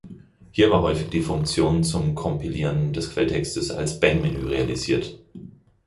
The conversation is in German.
Hier war häufig die Funktion zum Kompilieren des Quelltextes als Bang-Menü realisiert.